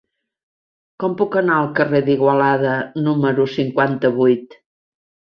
Com puc anar al carrer d'Igualada número cinquanta-vuit?